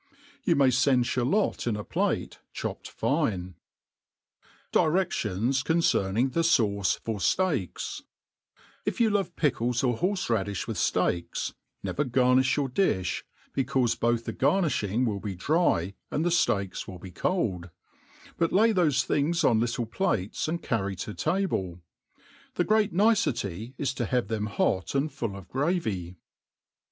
You may fend (halot Iq a plate, chopt fine, Dinpiom C9nceming the Sana for Steaku IF you love pickles or horfe raddifli with fteaks^ never gar " ni(h your diih, becaufe both the garnifliingwill be dry, and the fteaks will be cold, but lay thbfe things on little plates, and carry to tahle* The great nipety is to have them hot and full of gravy.